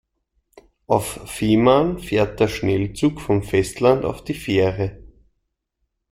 Auf Fehmarn fährt der Schnellzug vom Festland auf die Fähre.